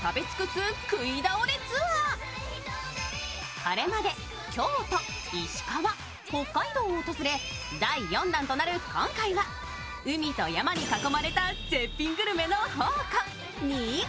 これまで京都、石川、北海道を訪れ、第４弾となる今回は海と山に囲まれた絶品グルメの宝庫・新潟。